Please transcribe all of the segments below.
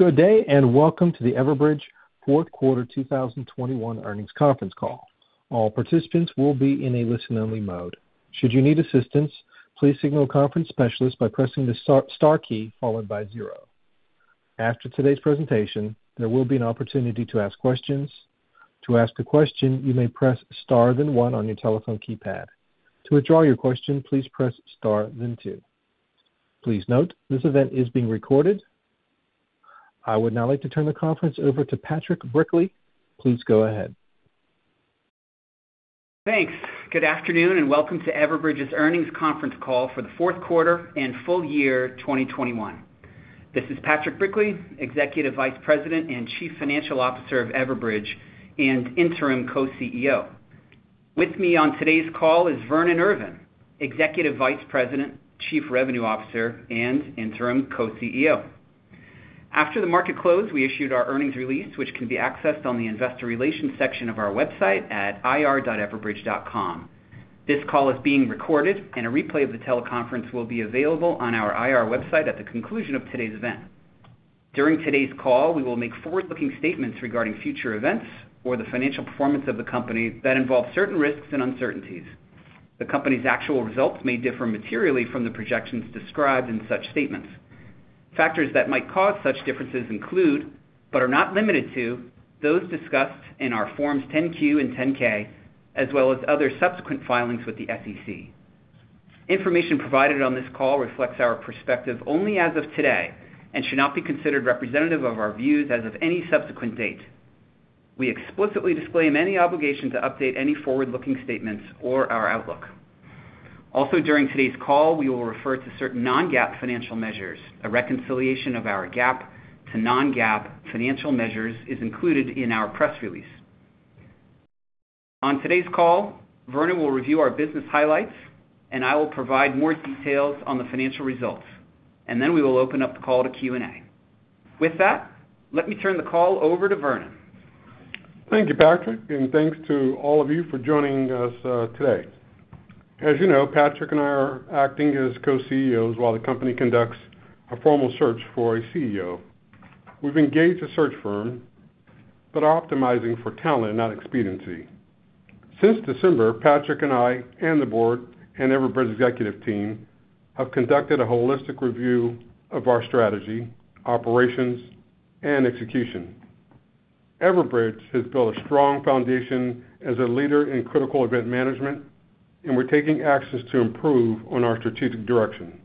Good day, and welcome to the Everbridge Fourth Quarter 2021 Earnings Conference Call. All participants will be in a listen-only mode. Should you need assistance, please signal a conference specialist by pressing the star key followed by zero. After today's presentation, there will be an opportunity to ask questions. To ask a question, you may press star, then one on your telephone keypad. To withdraw your question, please press star then two. Please note, this event is being recorded. I would now like to turn the conference over to Patrick Brickley. Please go ahead. Thanks. Good afternoon, and welcome to Everbridge's Earnings Conference Call for the Fourth Quarter and Full Year 2021. This is Patrick Brickley, Executive Vice President and Chief Financial Officer of Everbridge, and Interim Co-CEO. With me on today's call is Vernon Irvin, Executive Vice President, Chief Revenue Officer, and Interim Co-CEO. After the market closed, we issued our earnings release, which can be accessed on the Investor Relations section of our website at ir.everbridge.com. This call is being recorded, and a replay of the teleconference will be available on our IR website at the conclusion of today's event. During today's call, we will make forward-looking statements regarding future events or the financial performance of the company that involve certain risks and uncertainties. The company's actual results may differ materially from the projections described in such statements. Factors that might cause such differences include, but are not limited to, those discussed in our Forms 10-Q and 10-K, as well as other subsequent filings with the SEC. Information provided on this call reflects our perspective only as of today and should not be considered representative of our views as of any subsequent date. We explicitly disclaim any obligation to update any forward-looking statements or our outlook. Also, during today's call, we will refer to certain non-GAAP financial measures. A reconciliation of our GAAP to non-GAAP financial measures is included in our press release. On today's call, Vernon will review our business highlights, and I will provide more details on the financial results. We will open up the call to Q&A. With that, let me turn the call over to Vernon. Thank you, Patrick, and thanks to all of you for joining us, today. As you know, Patrick and I are acting as co-CEOs while the company conducts a formal search for a CEO. We've engaged a search firm that are optimizing for talent, not expediency. Since December, Patrick and I and the board and Everbridge executive team have conducted a holistic review of our strategy, operations, and execution. Everbridge has built a strong foundation as a leader in critical event management, and we're taking steps to improve on our strategic direction,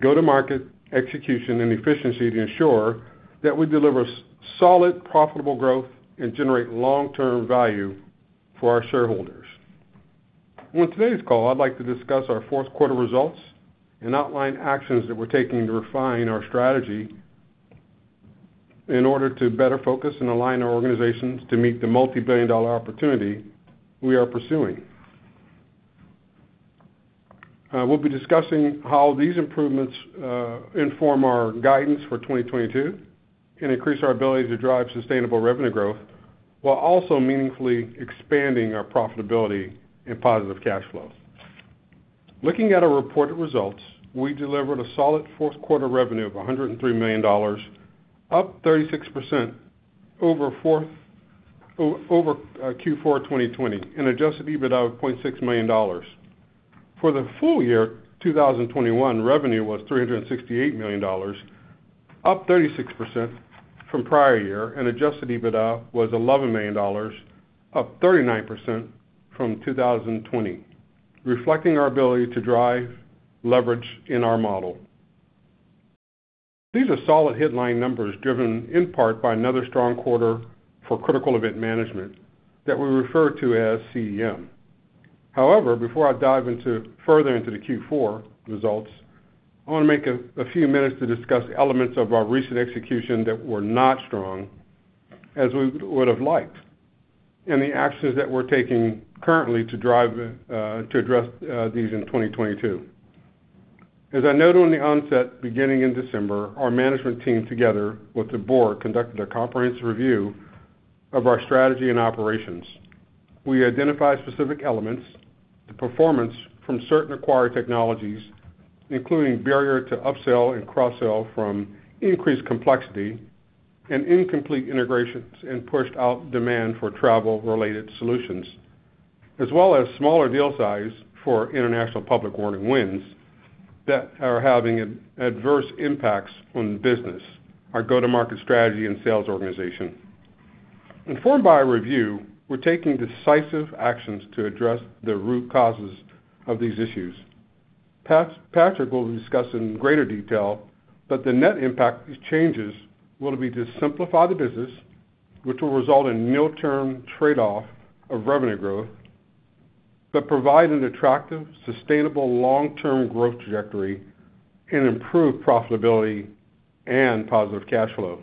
go-to-market execution, and efficiency to ensure that we deliver solid, profitable growth and generate long-term value for our shareholders. On today's call, I'd like to discuss our fourth quarter results and outline actions that we're taking to refine our strategy in order to better focus and align our organizations to meet the multi-billion-dollar opportunity we are pursuing. We'll be discussing how these improvements inform our guidance for 2022 and increase our ability to drive sustainable revenue growth while also meaningfully expanding our profitability and positive cash flows. Looking at our reported results, we delivered a solid fourth quarter revenue of $103 million, up 36% over Q4 2020, and Adjusted EBITDA of $0.6 million. For the full year 2021, revenue was $368 million, up 36% from prior year, and Adjusted EBITDA was $11 million, up 39% from 2020, reflecting our ability to drive leverage in our model. These are solid headline numbers driven in part by another strong quarter for critical event management that we refer to as CEM. However, before I dive further into the Q4 results, I wanna make a few minutes to discuss elements of our recent execution that were not strong as we would have liked, and the actions that we're taking currently to drive to address these in 2022. As I noted on the onset, beginning in December, our management team, together with the board, conducted a comprehensive review of our strategy and operations. We identified specific elements, the performance from certain acquired technologies, including barrier to upsell and cross-sell from increased complexity and incomplete integrations and pushed out demand for travel-related solutions, as well as smaller deal size for international public warning wins that are having adverse impacts on business, our go-to-market strategy and sales organization. Informed by a review, we're taking decisive actions to address the root causes of these issues. Patrick will discuss in greater detail, but the net impact of these changes will be to simplify the business, which will result in near-term trade-off of revenue growth, but provide an attractive, sustainable long-term growth trajectory and improve profitability and positive cash flow.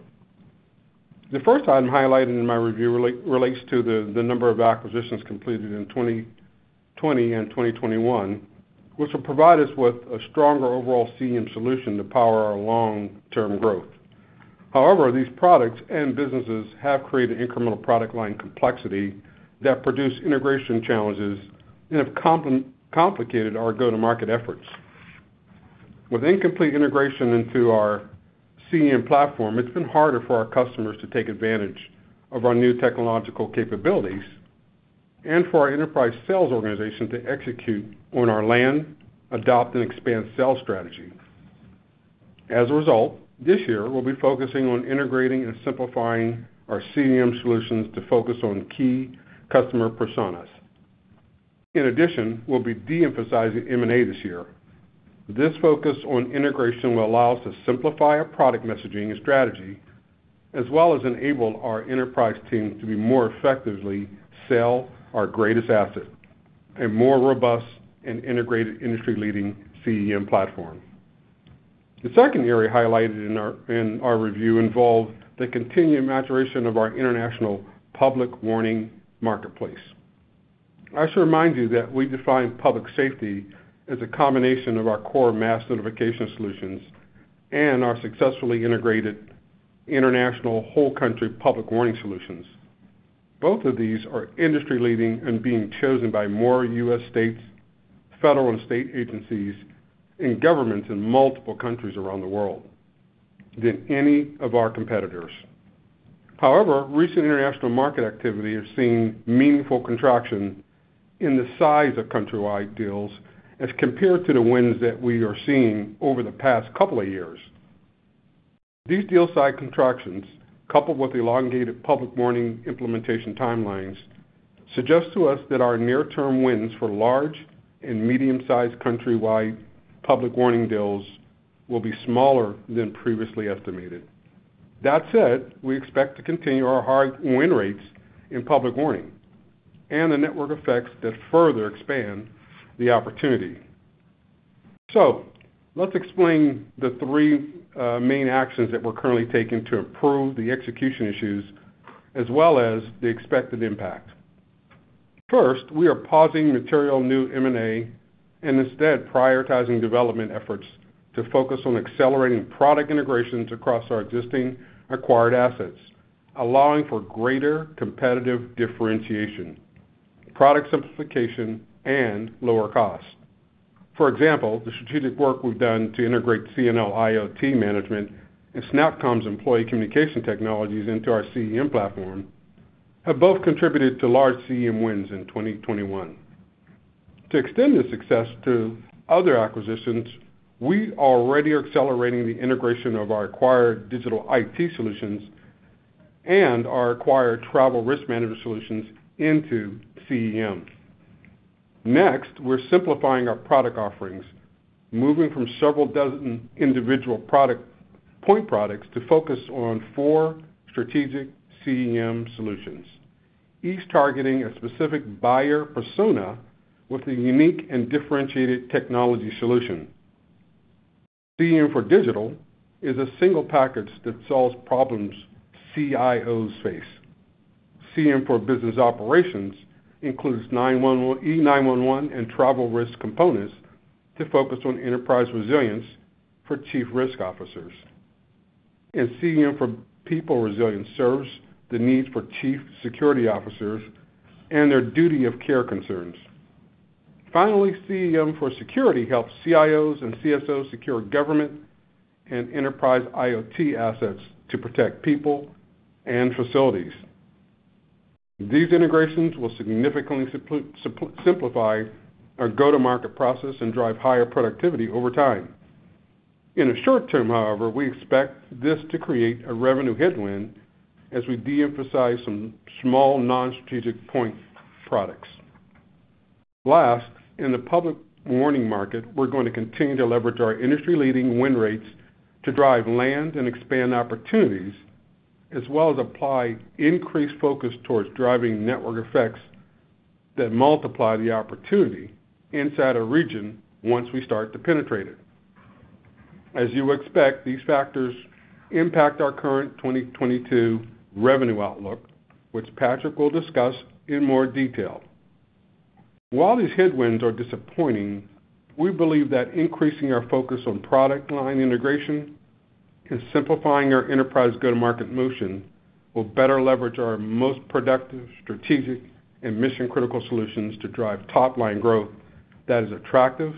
The first item highlighted in my review relates to the number of acquisitions completed in 2020 and 2021, which will provide us with a stronger overall CEM solution to power our long-term growth. However, these products and businesses have created incremental product line complexity that produce integration challenges and have complicated our go-to-market efforts. With incomplete integration into our CEM platform, it's been harder for our customers to take advantage of our new technological capabilities and for our enterprise sales organization to execute on our land, adopt, and expand sales strategy. As a result, this year we'll be focusing on integrating and simplifying our CEM solutions to focus on key customer personas. In addition, we'll be de-emphasizing M&A this year. This focus on integration will allow us to simplify our product messaging and strategy, as well as enable our enterprise team to more effectively sell our greatest asset and more robust and integrated industry-leading CEM platform. The second area highlighted in our review involved the continued maturation of our international public warning marketplace. I should remind you that we define public safety as a combination of our core mass notification solutions and our successfully integrated international whole country public warning solutions. Both of these are industry-leading and being chosen by more U.S. states, federal and state agencies and governments in multiple countries around the world than any of our competitors. However, recent international market activity has seen meaningful contraction in the size of country-wide deals as compared to the wins that we are seeing over the past couple of years. These deal size contractions, coupled with elongated public warning implementation timelines, suggest to us that our near-term wins for large and medium-sized countrywide public warning deals will be smaller than previously estimated. That said, we expect to continue our high win rates in public warning and the network effects that further expand the opportunity. Let's explain the three main actions that we're currently taking to improve the execution issues as well as the expected impact. First, we are pausing material new M&A and instead prioritizing development efforts to focus on accelerating product integrations across our existing acquired assets, allowing for greater competitive differentiation, product simplification, and lower cost. For example, the strategic work we've done to integrate CNL IoT management and SnapComms' employee communication technologies into our CEM platform have both contributed to large CEM wins in 2021. To extend the success to other acquisitions, we already are accelerating the integration of our acquired digital IT solutions and our acquired travel risk management solutions into CEM. Next, we're simplifying our product offerings, moving from several dozen individual product, point products to focus on four strategic CEM solutions, each targeting a specific buyer persona with a unique and differentiated technology solution. CEM for Digital is a single package that solves problems CIOs face. CEM for Business Operations includes 911 - E911 and travel risk components to focus on enterprise resilience for chief risk officers. CEM for People Resilience serves the needs for chief security officers and their duty of care concerns. Finally, CEM for security helps CIOs and CSOs secure government and enterprise IoT assets to protect people and facilities. These integrations will significantly simplify our go-to-market process and drive higher productivity over time. In the short term, however, we expect this to create a revenue headwind as we de-emphasize some small non-strategic point products. Last, in the public warning market, we're going to continue to leverage our industry-leading win rates to drive land and expand opportunities, as well as apply increased focus towards driving network effects that multiply the opportunity inside a region once we start to penetrate it. As you expect, these factors impact our current 2022 revenue outlook, which Patrick will discuss in more detail. While these headwinds are disappointing, we believe that increasing our focus on product line integration and simplifying our enterprise go-to-market motion will better leverage our most productive, strategic, and mission-critical solutions to drive top-line growth that is attractive,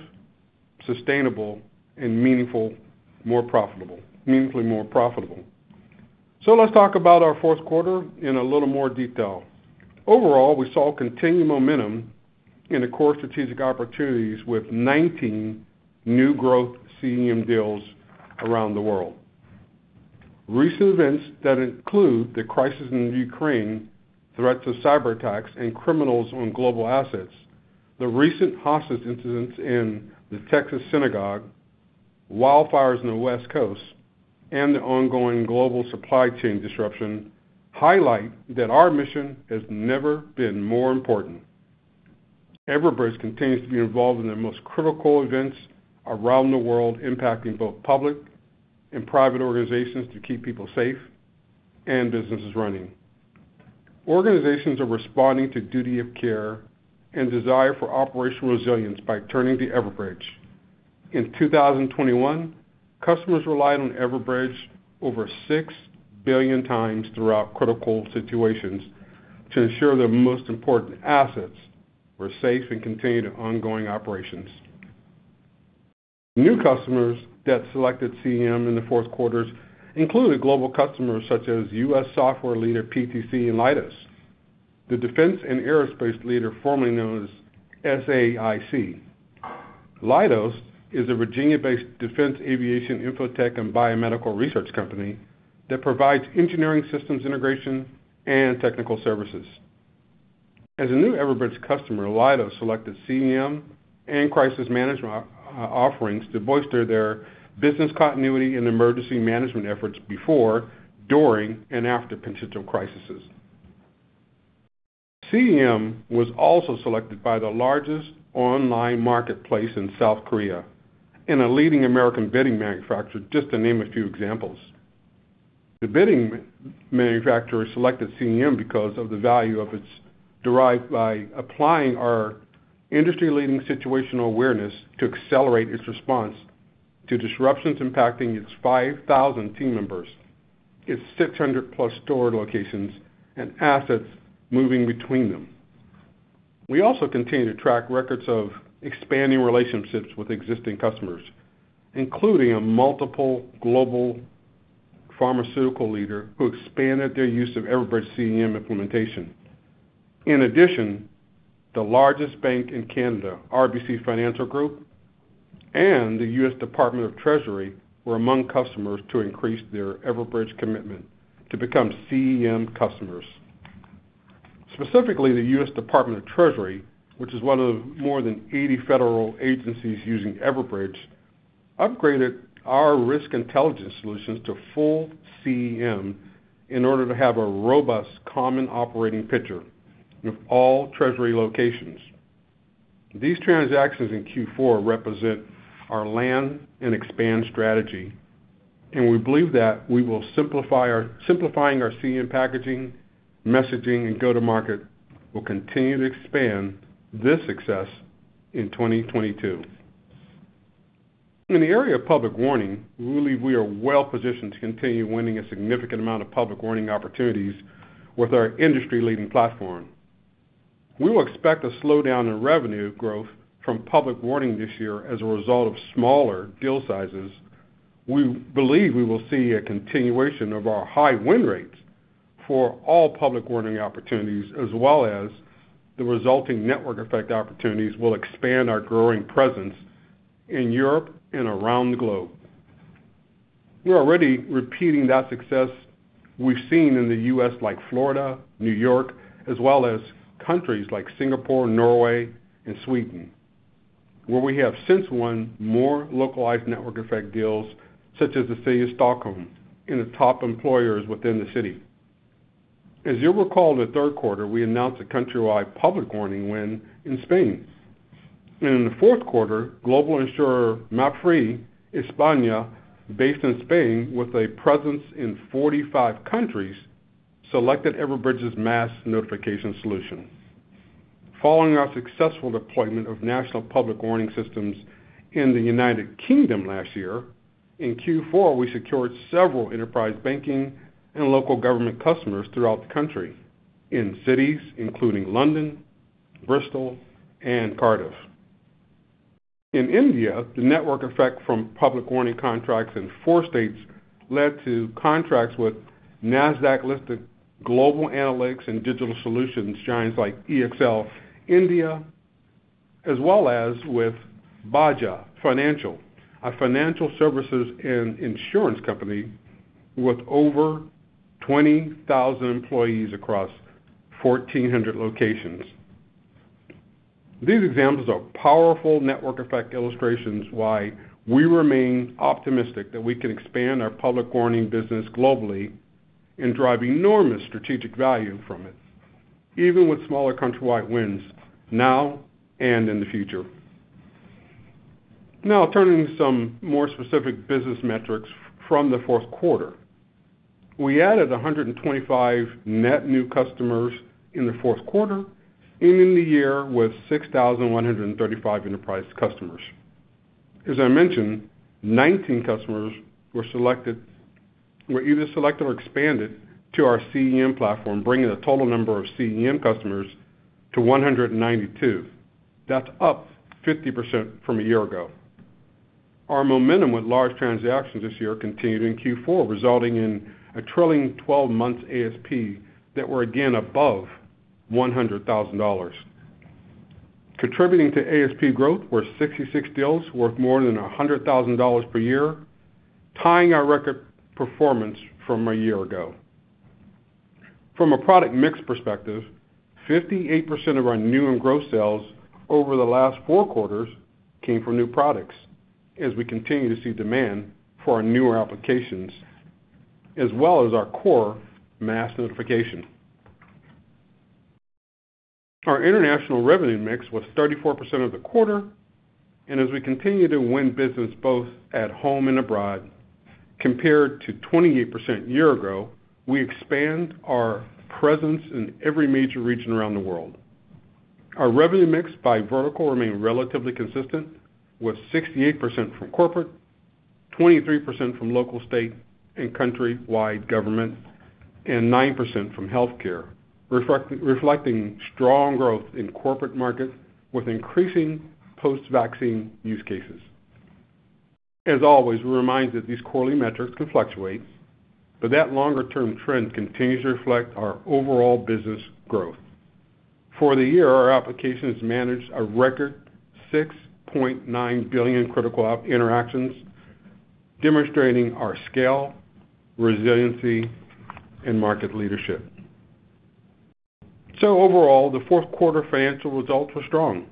sustainable, and meaningful—more profitable, meaningfully more profitable. Let's talk about our fourth quarter in a little more detail. Overall, we saw continued momentum in the core strategic opportunities with 19 new growth CEM deals around the world. Recent events that include the crisis in Ukraine, threats of cyberattacks and criminals on global assets, the recent hostage incidents in the Texas synagogue, wildfires in the West Coast, and the ongoing global supply chain disruption highlight that our mission has never been more important. Everbridge continues to be involved in the most critical events around the world, impacting both public and private organizations to keep people safe and businesses running. Organizations are responding to duty of care and desire for operational resilience by turning to Everbridge. In 2021, customers relied on Everbridge over 6 billion times throughout critical situations to ensure their most important assets were safe and contained ongoing operations. New customers that selected CEM in the fourth quarter included global customers such as U.S. software leader PTC, Leidos, the defense and aerospace leader formerly known as SAIC. Leidos is a Virginia-based defense, aviation, info tech, and biomedical research company that provides engineering systems integration and technical services. As a new Everbridge customer, Leidos selected CEM and crisis management offerings to bolster their business continuity and emergency management efforts before, during, and after potential crises. CEM was also selected by the largest online marketplace in South Korea and a leading American bedding manufacturer, just to name a few examples. The bedding manufacturers selected CEM because of the value it derives by applying our industry-leading situational awareness to accelerate its response to disruptions impacting its 5,000 team members, its 600+ store locations, and assets moving between them. We also continue to have a track record of expanding relationships with existing customers, including a multinational global pharmaceutical leader who expanded their implementation of Everbridge CEM. In addition, the largest bank in Canada, RBC Financial Group, and the U.S. Department of the Treasury were among customers to increase their Everbridge commitment to become CEM customers. Specifically, the U.S. Department of the Treasury, which is one of more than 80 federal agencies using Everbridge, upgraded our risk intelligence solutions to full CEM in order to have a robust common operating picture of all treasury locations. These transactions in Q4 represent our land and expand strategy, and we believe that simplifying our CEM packaging, messaging, and go-to-market will continue to expand this success in 2022. In the area of public warning, we believe we are well positioned to continue winning a significant amount of public warning opportunities with our industry-leading platform. We will expect a slowdown in revenue growth from public warnings this year as a result of smaller deal sizes. We believe we will see a continuation of our high win rates for all public warning opportunities, as well as the resulting network effect opportunities that will expand our growing presence in Europe and around the globe. We're already repeating that success we've seen in the U.S., like Florida, New York, as well as countries like Singapore, Norway, and Sweden, where we have since won more localized network effect deals, such as the city of Stockholm and the top employers within the city. As you'll recall, in the third quarter, we announced a country-wide public warning win in Spain. In the fourth quarter, global insurer MAPFRE España, based in Spain, with a presence in 45 countries, selected Everbridge's mass notification solution. Following our successful deployment of national public warning systems in the United Kingdom last year, in Q4, we secured several enterprise banking and local government customers throughout the country in cities including London, Bristol, and Cardiff. In India, the network effect from public warning contracts in four states led to contracts with Nasdaq-listed global analytics and digital solutions giants like EXL Service, as well as with Bajaj Finserv, a financial services and insurance company with over 20,000 employees across 1,400 locations. These examples are powerful network effect illustrations why we remain optimistic that we can expand our public warning business globally and drive enormous strategic value from it, even with smaller country-wide wins now and in the future. Now, turning to some more specific business metrics from the fourth quarter. We added 125 net new customers in the fourth quarter and ended the year with 6,135 enterprise customers. As I mentioned, 19 customers were either selected or expanded to our CEM platform, bringing the total number of CEM customers to 192. That's up 50% from a year ago. Our momentum with large transactions this year continued in Q4, resulting in a trailing 12 months ASP that were again above $100,000. Contributing to ASP growth were 66 deals worth more than $100,000 per year, tying our record performance from a year ago. From a product mix perspective, 58% of our net and gross sales over the last four quarters came from new products as we continue to see demand for our newer applications, as well as our core mass notification. Our international revenue mix was 34% for the quarter, and as we continue to win business both at home and abroad. Compared to 28% a year ago, we expand our presence in every major region around the world. Our revenue mix by vertical remained relatively consistent, with 68% from corporate, 23% from local, state, and countrywide government, and 9% from healthcare, reflecting strong growth in corporate markets with increasing post-vaccine use cases. As always, we're reminded these quarterly metrics can fluctuate, but that longer-term trend continues to reflect our overall business growth. For the year, our applications managed a record 6.9 billion critical app interactions, demonstrating our scale, resiliency, and market leadership. Overall, the fourth quarter financial results were strong,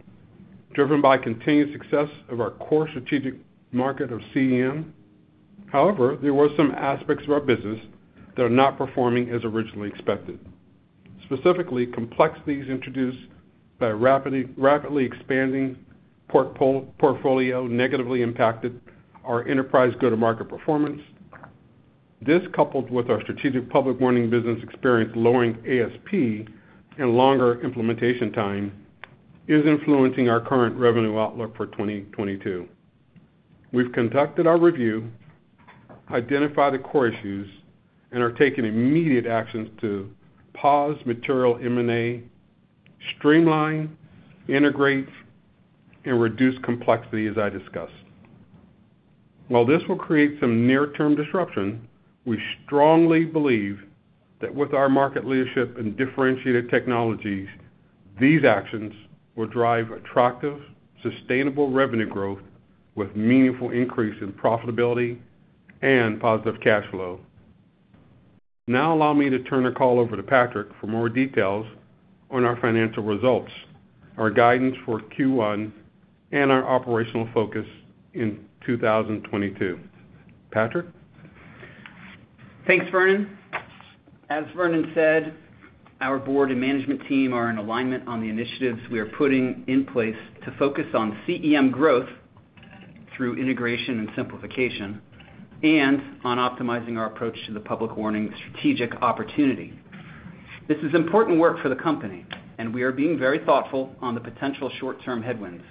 driven by continued success of our core strategic market of CEM. However, there were some aspects of our business that are not performing as originally expected. Specifically, complexities introduced by a rapidly expanding portfolio negatively impacted our enterprise go-to-market performance. This, coupled with our strategic public warning business experience lowering ASP and longer implementation time, is influencing our current revenue outlook for 2022. We've conducted our review, identified the core issues, and are taking immediate actions to pause material M&A, streamline, integrate, and reduce complexity, as I discussed. While this will create some near-term disruption, we strongly believe that with our market leadership and differentiated technologies, these actions will drive attractive, sustainable revenue growth with meaningful increase in profitability and positive cash flow. Now allow me to turn the call over to Patrick for more details on our financial results, our guidance for Q1, and our operational focus in 2022. Patrick? Thanks, Vernon. As Vernon said, our board and management team are in alignment on the initiatives we are putting in place to focus on CEM growth through integration and simplification and on optimizing our approach to the public warning strategic opportunity. This is important work for the company, and we are being very thoughtful on the potential short-term headwinds.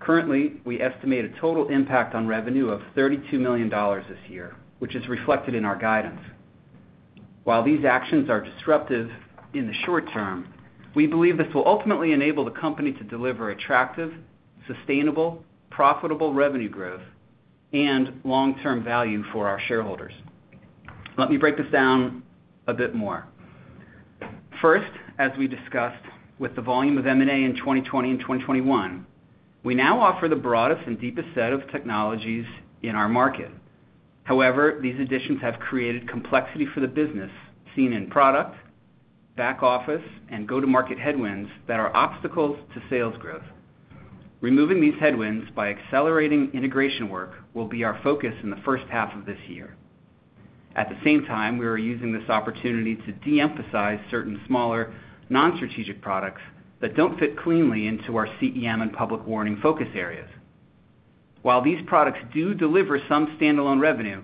Currently, we estimate a total impact on revenue of $32 million this year, which is reflected in our guidance. While these actions are disruptive in the short term, we believe this will ultimately enable the company to deliver attractive, sustainable, profitable revenue growth and long-term value for our shareholders. Let me break this down a bit more. First, as we discussed with the volume of M&A in 2020 and 2021, we now offer the broadest and deepest set of technologies in our market. However, these additions have created complexity for the business, seen in product, back-office, and go-to-market headwinds that are obstacles to sales growth. Removing these headwinds by accelerating integration work will be our focus in the first half of this year. At the same time, we are using this opportunity to de-emphasize certain smaller non-strategic products that don't fit cleanly into our CEM and public warning focus areas. While these products do deliver some standalone revenue,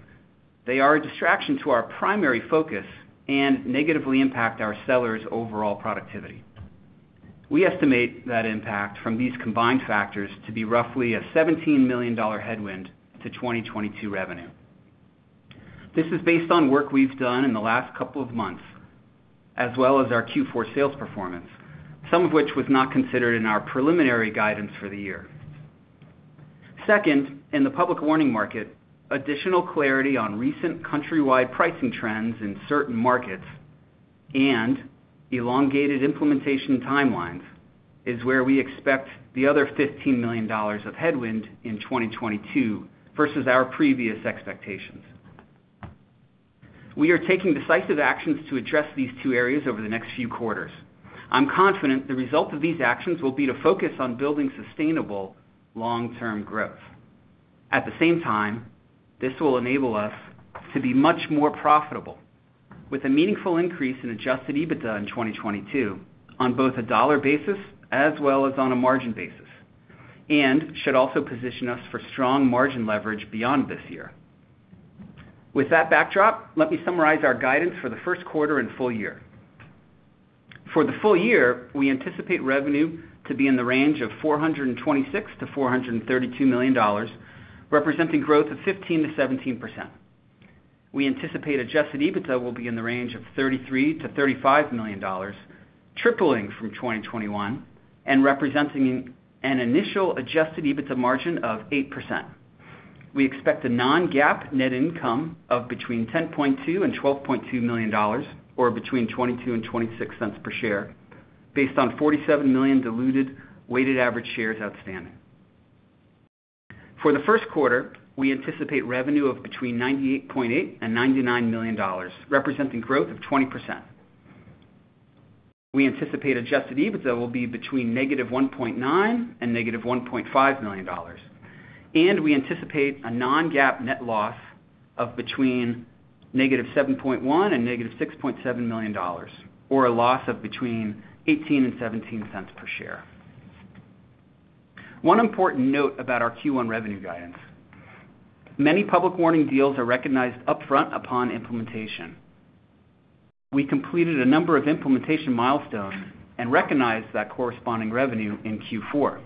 they are a distraction to our primary focus and negatively impact our sellers' overall productivity. We estimate that the impact from these combined factors to be roughly a $17 million headwind to 2022 revenue. This is based on work we've done in the last couple of months, as well as our Q4 sales performance, some of which was not considered in our preliminary guidance for the year. Second, in the public warning market, additional clarity on recent countrywide pricing trends in certain markets and elongated implementation timelines is where we expect the other $15 million of headwind in 2022 versus our previous expectations. We are taking decisive actions to address these two areas over the next few quarters. I'm confident the result of these actions will be to focus on building sustainable long-term growth. At the same time, this will enable us to be much more profitable with a meaningful increase in Adjusted EBITDA in 2022 on both a dollar basis as well as on a margin basis, and should also position us for strong margin leverage beyond this year. With that backdrop, let me summarize our guidance for the first quarter and full year. For the full year, we anticipate revenue to be in the range of $426 million-$432 million, representing growth of 15%-17%. We anticipate Adjusted EBITDA will be in the range of $33 million-$35 million, tripling from 2021 and representing an initial Adjusted EBITDA margin of 8%. We expect a non-GAAP net income of between $10.2 million and $12.2 million, or between $0.22 and $0.26 per share, based on 47 million diluted weighted average shares outstanding. For the first quarter, we anticipate revenue of between $98.8 million and $99 million, representing growth of 20%. We anticipate Adjusted EBITDA will be between -$1.9 million and -$1.5 million, and we anticipate a non-GAAP net loss of between -$7.1 million and -$6.7 million, or a loss of between $0.18 and $0.17 per share. One important note about our Q1 revenue guidance. Many public warning deals are recognized upfront upon implementation. We completed a number of implementation milestones and recognized that corresponding revenue in Q4.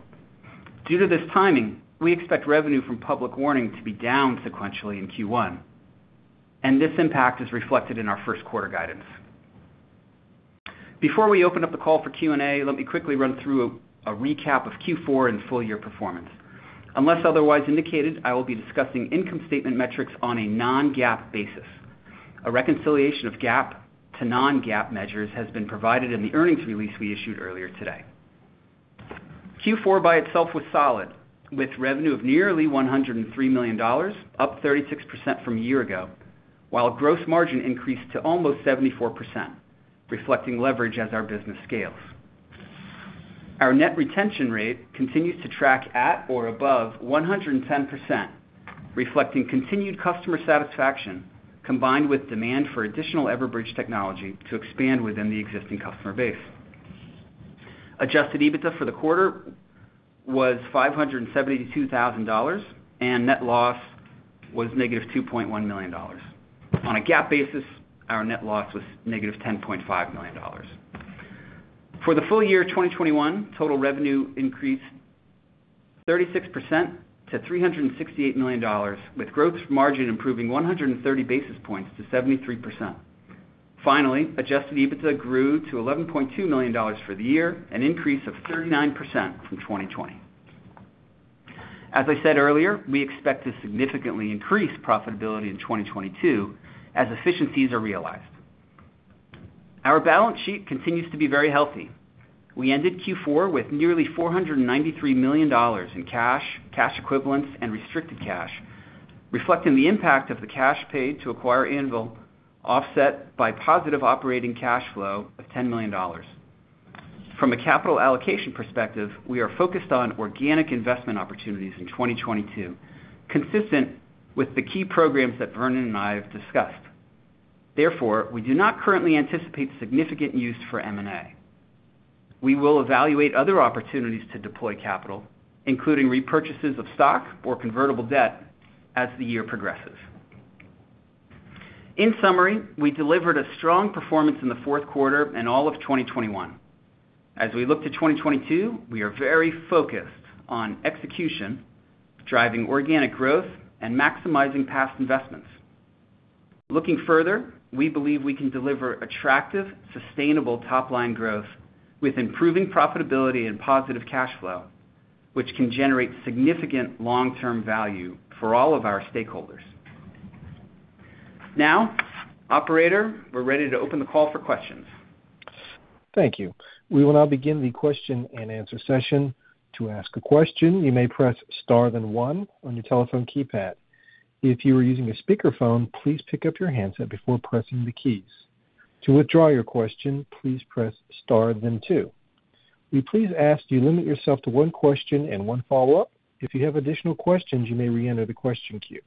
Due to this timing, we expect revenue from public warning to be down sequentially in Q1, and this impact is reflected in our first quarter guidance. Before we open up the call for Q&A, let me quickly run through a recap of Q4 and full year performance. Unless otherwise indicated, I will be discussing income statement metrics on a non-GAAP basis. A reconciliation of GAAP to non-GAAP measures has been provided in the earnings release we issued earlier today. Q4 by itself was solid, with revenue of nearly $103 million, up 36% from a year ago, while gross margin increased to almost 74%, reflecting leverage as our business scales. Our net retention rate continues to track at or above 110%, reflecting continued customer satisfaction, combined with demand for additional Everbridge technology to expand within the existing customer base. Adjusted EBITDA for the quarter was $572,000, and net loss was -$2.1 million. On a GAAP basis, our net loss was -$10.5 million. For the full year 2021, total revenue increased 36% to $368 million, with gross margin improving 130 basis points to 73%. Finally, Adjusted EBITDA grew to $11.2 million for the year, an increase of 39% from 2020. As I said earlier, we expect to significantly increase profitability in 2022 as efficiencies are realized. Our balance sheet continues to be very healthy. We ended Q4 with nearly $493 million in cash equivalents, and restricted cash, reflecting the impact of the cash paid to acquire Anvil, offset by positive operating cash flow of $10 million. From a capital allocation perspective, we are focused on organic investment opportunities in 2022, consistent with the key programs that Vernon and I have discussed. Therefore, we do not currently anticipate significant use for M&A. We will evaluate other opportunities to deploy capital, including repurchases of stock or convertible debt, as the year progresses. In summary, we delivered a strong performance in the fourth quarter and all of 2021. As we look to 2022, we are very focused on execution, driving organic growth, and maximizing past investments. Looking further, we believe we can deliver attractive, sustainable top-line growth with improving profitability and positive cash flow, which can generate significant long-term value for all of our stakeholders. Now, operator, we're ready to open the call for questions. Thank you. We will now begin the question-and-answer session. To ask a question, you may press star then one on your telephone keypad. If you are using a speakerphone, please pick up your handset before pressing the keys. To withdraw your question, please press star then two. We please ask you to limit yourself to one question and one follow-up. If you have additional questions, you may reenter the question queue.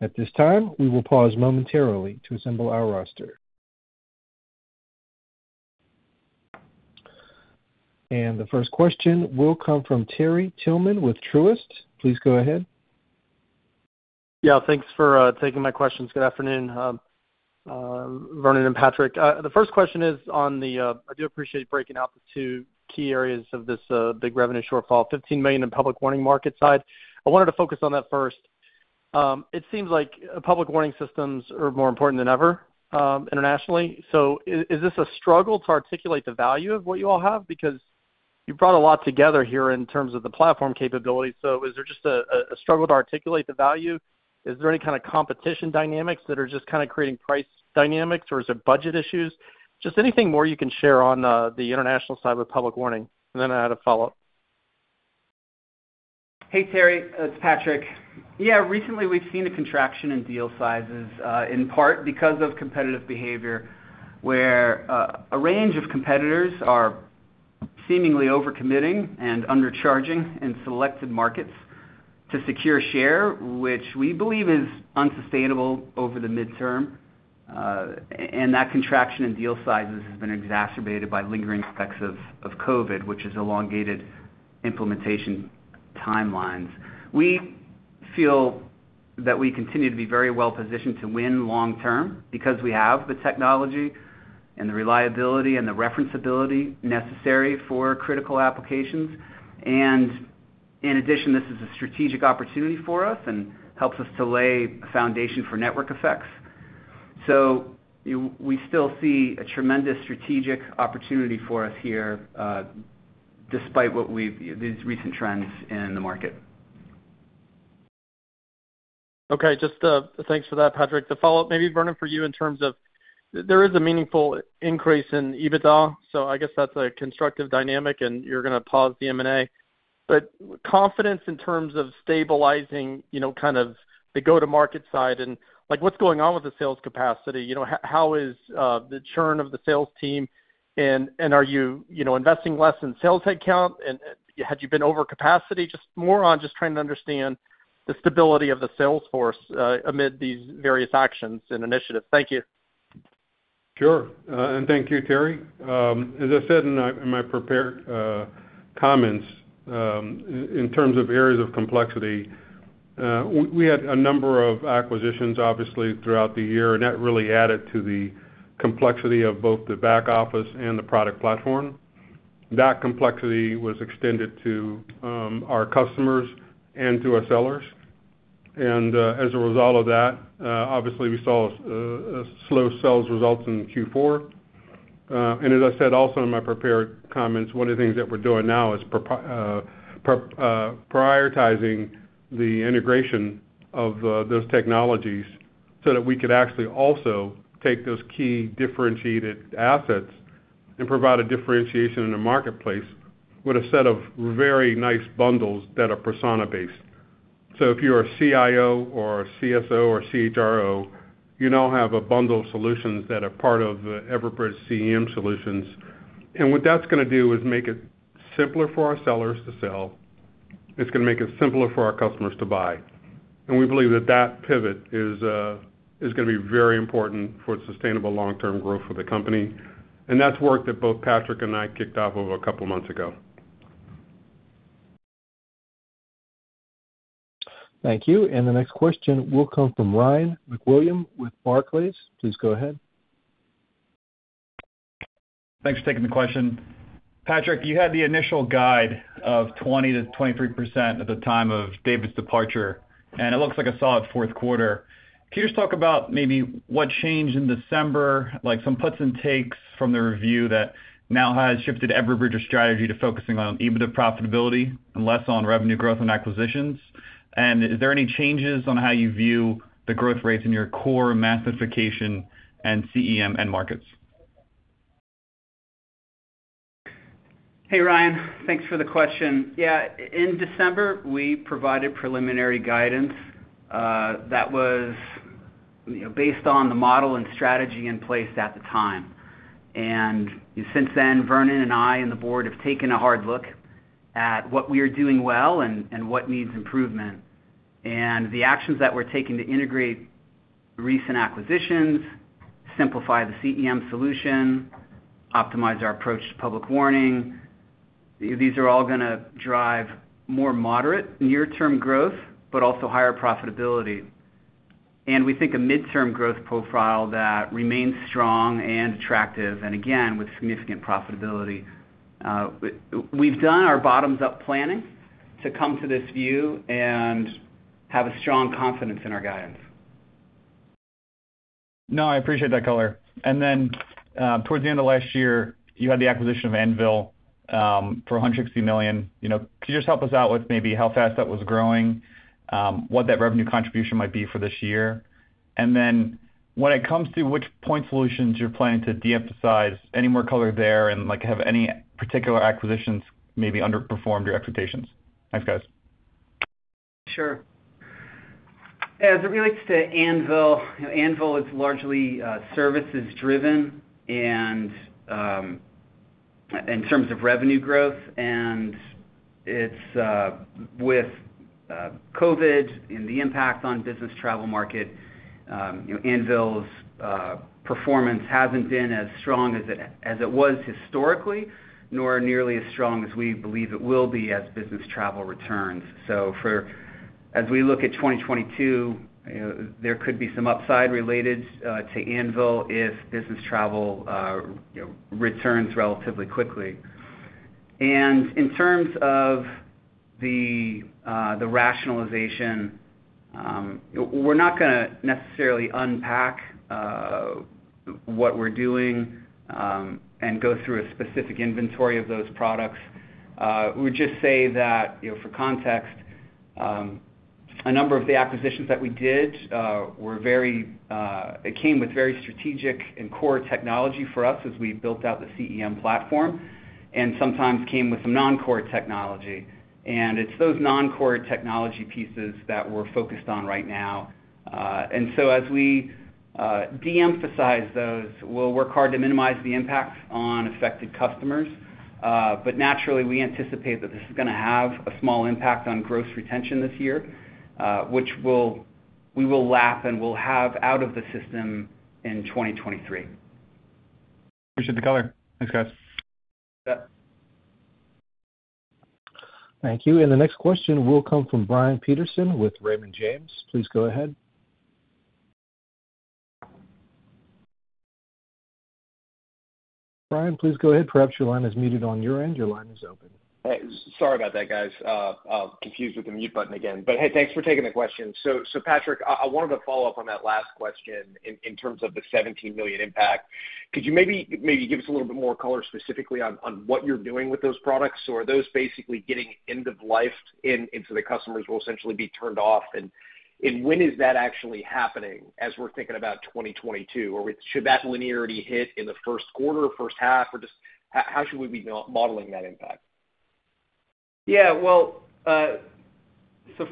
At this time, we will pause momentarily to assemble our roster. The first question will come from Terry Tillman with Truist. Please go ahead. Yeah, thanks for taking my questions. Good afternoon, Vernon and Patrick. The first question is on the. I do appreciate breaking out the two key areas of this big revenue shortfall, $15 million in public warning market side. I wanted to focus on that first. It seems like public warning systems are more important than ever, internationally. Is this a struggle to articulate the value of what you all have? Because you brought a lot together here in terms of the platform capabilities. Is there just a struggle to articulate the value? Is there any kind of competition dynamics that are just kind of creating price dynamics, or is it budget issues? Just anything more you can share on the international side with public warning. Then I had a follow-up. Hey, Terry. It's Patrick. Yeah. Recently, we've seen a contraction in deal sizes, in part because of competitive behavior, where a range of competitors are seemingly over-committing and undercharging in selected markets to secure share, which we believe is unsustainable over the midterm. And that contraction in deal sizes has been exacerbated by lingering effects of COVID, which is elongated implementation timelines. We feel that we continue to be very well positioned to win long term because we have the technology, the reliability, and the reference ability necessary for critical applications. In addition, this is a strategic opportunity for us and helps us to lay a foundation for network effects. We still see a tremendous strategic opportunity for us here, despite these recent trends in the market. Okay. Just, thanks for that, Patrick. To follow up, maybe, Vernon, for you, in terms of there is a meaningful increase in EBITDA, so I guess that's a constructive dynamic, and you're gonna pause the M&A. Confidence in terms of stabilizing, you know, kind of the go-to-market side and, like, what's going on with the sales capacity? You know, how is the churn of the sales team, and are you investing less in sales headcount? Had you been over capacity? Just more on just trying to understand the stability of the sales force amid these various actions and initiatives. Thank you. Sure. Thank you, Terry. As I said in my prepared comments, in terms of areas of complexity, we had a number of acquisitions, obviously, throughout the year, and that really added to the complexity of both the back office and the product platform. That complexity was extended to our customers and to our sellers. As a result of that, obviously we saw slow sales results in Q4. As I said also in my prepared comments, one of the things that we're doing now is prioritizing the integration of those technologies so that we could actually also take those key differentiated assets and provide a differentiation in the marketplace with a set of very nice bundles that are persona-based. If you're a CIO, a CSO, or a CHRO, you now have a bundle of solutions that are part of Everbridge CEM solutions. What that's gonna do is make it simpler for our sellers to sell. It's gonna make it simpler for our customers to buy. We believe that pivot is gonna be very important for sustainable long-term growth for the company. That's work that both Patrick and I kicked off over a couple of months ago. Thank you. The next question will come from Ryan Ryan MacWilliams with Barclays. Please go ahead. Thanks for taking the question. Patrick, you had the initial guide of 20%-23% at the time of David's departure, and it looks like a solid fourth quarter. Can you just talk about maybe what changed in December, like some puts and takes from the review that now has shifted Everbridge's strategy to focusing on EBITDA profitability and less on revenue growth and acquisitions? And is there any changes on how you view the growth rates in your core mass notification and CEM end markets? Hey, Ryan. Thanks for the question. Yeah, in December, we provided preliminary guidance that was, you know, based on the model and strategy in place at the time. Since then, Vernon and I and the board have taken a hard look at what we are doing well and what needs improvement. The actions that we're taking to integrate recent acquisitions, simplify the CEM solution, optimize our approach to public warning—these are all gonna drive more moderate near-term growth, but also higher profitability. We think a midterm growth profile that remains strong and attractive, and again, with significant profitability. We've done our bottoms-up planning to come to this view and have a strong confidence in our guidance. No, I appreciate that color. Towards the end of last year, you had the acquisition of Anvil for $160 million. You know, could you just help us out with maybe how fast that was growing, what that revenue contribution might be for this year? When it comes to which point solutions you're planning to de-emphasize, any more color there? And, like, have any particular acquisitions maybe underperformed your expectations? Thanks, guys. Sure. As it relates to Anvil is largely services driven, and in terms of revenue growth, and it's with COVID and the impact on business travel market, you know, Anvil's performance hasn't been as strong as it was historically, nor nearly as strong as we believe it will be as business travel returns. As we look at 2022, you know, there could be some upside related to Anvil if business travel you know returns relatively quickly. In terms of the rationalization, we're not gonna necessarily unpack what we're doing and go through a specific inventory of those products. We would just say that, you know, for context, a number of the acquisitions that we did came with very strategic and core technology for us as we built out the CEM platform, and sometimes came with some non-core technology. It's those non-core technology pieces that we're focused on right now. As we de-emphasize those, we'll work hard to minimize the impact on affected customers. Naturally, we anticipate that this is gonna have a small impact on gross retention this year, which we will lap, and we'll have out of the system in 2023. Appreciate the color. Thanks, guys. Yeah. Thank you. The next question will come from Brian Peterson with Raymond James. Please go ahead. Brian, please go ahead. Perhaps your line is muted on your end. Your line is open. Sorry about that, guys. I was confused with the mute button again. Hey, thanks for taking the question. Patrick, I wanted to follow up on that last question in terms of the $17 million impact. Could you maybe give us a little bit more color specifically on what you're doing with those products? Or are those basically getting end of life, and so the customers will essentially be turned off? And when is that actually happening, as we're thinking about 2022? Or should that linearity hit in the first quarter or first half? Or just how should we be modeling that impact? Yeah. Well,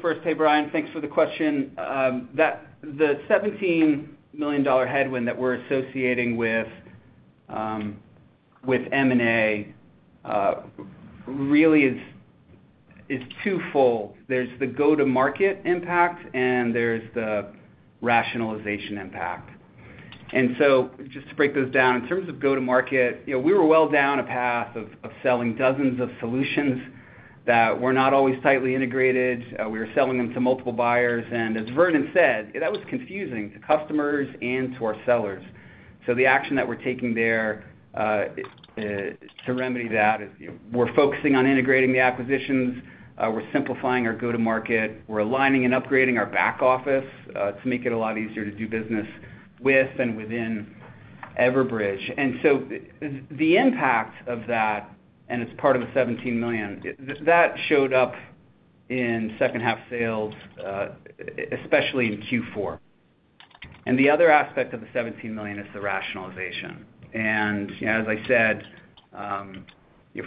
first, hey, Brian, thanks for the question. That the $17 million headwind that we're associating with M&A really is twofold. There's the go-to-market impact, and there's the rationalization impact. Just to break those down, in terms of go-to-market, you know, we were well down a path of selling dozens of solutions that were not always tightly integrated. We were selling them to multiple buyers, and as Vernon said, that was confusing to customers and to our sellers. The action that we're taking there to remedy that is, you know, we're focusing on integrating the acquisitions, we're simplifying our go-to-market. We're aligning and upgrading our back office to make it a lot easier to do business with and within Everbridge. The impact of that, and it's part of the $17 million, that showed up in second half sales, especially in Q4. The other aspect of the $17 million is the rationalization. You know, as I said,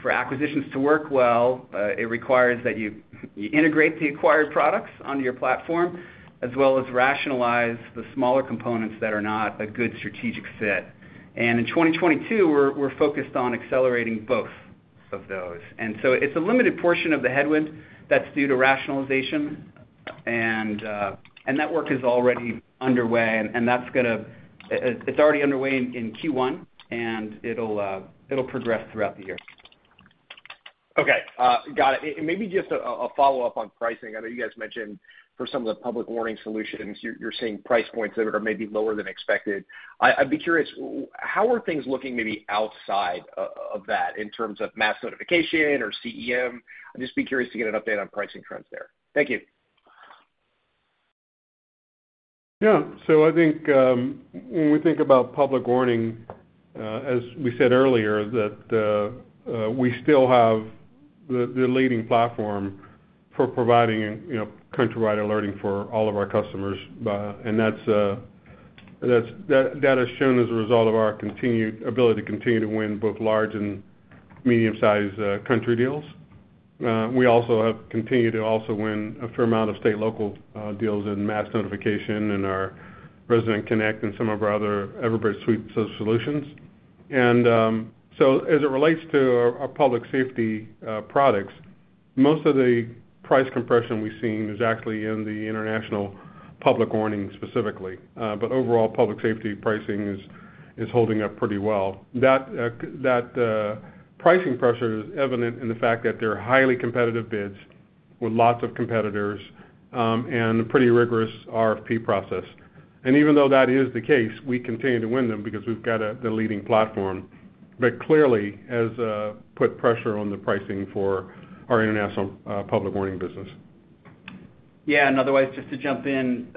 for acquisitions to work well, it requires that you integrate the acquired products onto your platform as well as rationalize the smaller components that are not a good strategic fit. In 2022, we're focused on accelerating both of those. It's a limited portion of the headwind that's due to rationalization, and that work is already underway, and it's already underway in Q1, and it'll progress throughout the year. Okay. Got it. Maybe just a follow-up on pricing. I know you guys mentioned for some of the public warning solutions, you're seeing price points that are maybe lower than expected. I'd be curious, how are things looking maybe outside of that in terms of mass notification or CEM? I'd just be curious to get an update on pricing trends there. Thank you. Yeah. I think when we think about public warning, as we said earlier, that we still have the leading platform for providing, you know, countrywide alerting for all of our customers. That has shown as a result of our continued ability to continue to win both large- and medium-sized country deals. We also have continued to also win a fair amount of state and local deals in mass notification and our Resident Connection and some of our other Everbridge suite solutions. As it relates to our public safety products, most of the price compression we've seen is actually in the international public warning specifically. Overall, public safety pricing is holding up pretty well. That pricing pressure is evident in the fact that there are highly competitive bids with lots of competitors, and a pretty rigorous RFP process. Even though that is the case, we continue to win them because we've got the leading platform, but clearly has put pressure on the pricing for our international public warning business. Yeah. Otherwise, just to jump in,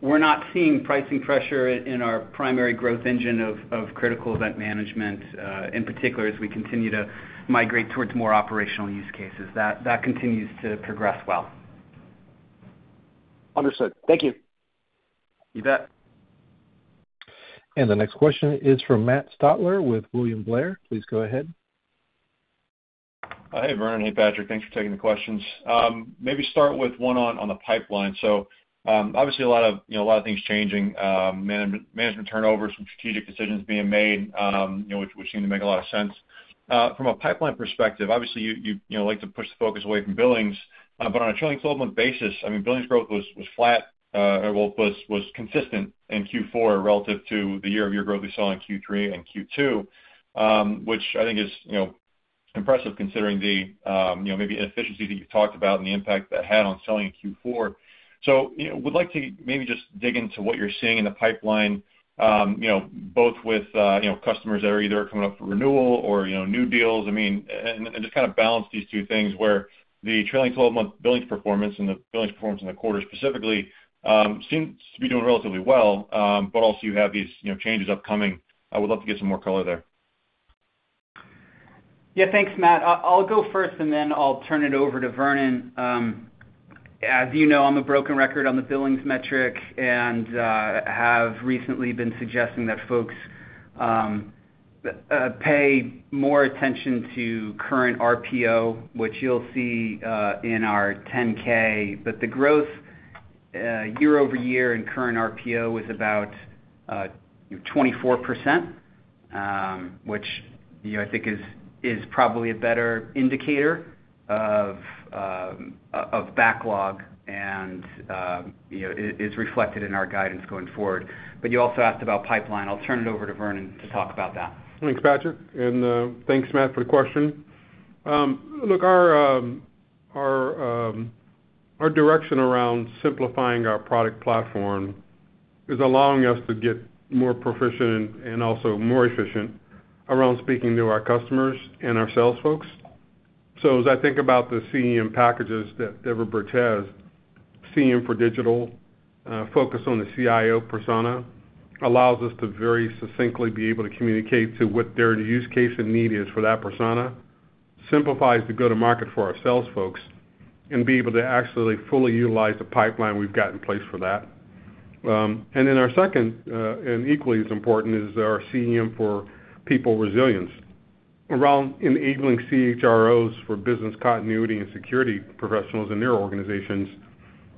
we're not seeing pricing pressure in our primary growth engine of critical event management, in particular, as we continue to migrate towards more operational use cases. That continues to progress well. Understood. Thank you. You bet. The next question is from Matt Stotler with William Blair. Please go ahead. Hey, Vernon. Hey, Patrick. Thanks for taking the questions. Maybe start with one on the pipeline. Obviously a lot of, you know, a lot of things changing, management turnover, some strategic decisions being made, you know, which seem to make a lot of sense. From a pipeline perspective, obviously, you know, like to push the focus away from billings, but on a trailing 12 month basis, I mean, billings growth was flat, well, was consistent in Q4 relative to the year-over-year growth we saw in Q3 and Q2, which I think is, you know, impressive considering the, you know, maybe inefficiency that you talked about and the impact that had on selling in Q4. I would like to maybe just dig into what you're seeing in the pipeline, you know, both with, you know, customers that are either coming up for renewal or, you know, new deals. I mean, and just kinda balance these two things where the trailing 12 month billings performance and the billings performance in the quarter specifically seems to be doing relatively well, but also you have these, you know, changes upcoming. I would love to get some more color there. Yeah. Thanks, Matt. I'll go first, and then I'll turn it over to Vernon. As you know, I'm a broken record on the billings metric and have recently been suggesting that folks pay more attention to current RPO, which you'll see in our 10-K. The growth year-over-year in current RPO was about 24%, which, you know, I think is probably a better indicator of backlog and, you know, is reflected in our guidance going forward. You also asked about pipeline. I'll turn it over to Vernon to talk about that. Thanks, Patrick, and thanks, Matt, for the question. Look, our direction around simplifying our product platform is allowing us to get more proficient and also more efficient around speaking to our customers and our sales folks. As I think about the CEM packages that Everbridge has, CEM for Digital focus on the CIO persona, allowing us to very succinctly be able to communicate to what their use case and need is for that persona, simplifies the go-to-market for our sales folks, and be able to actually fully utilize the pipeline we've got in place for that. Our second, and equally as important, is our CEM for People Resilience around enabling CHROs for business continuity and security professionals in their organizations.